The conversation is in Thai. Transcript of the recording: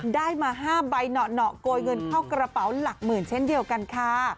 ได้มา๕ใบเหนาะโกยเงินเข้ากระเป๋าหลักหมื่นเช่นเดียวกันค่ะ